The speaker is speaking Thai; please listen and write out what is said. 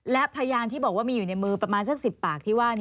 และพยานที่บอกว่ามีอยู่ในมือประมาณสัก๑๐ปากที่ว่า